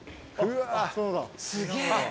すげえ。